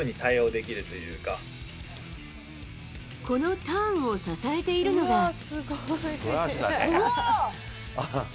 このターンを支えているのが。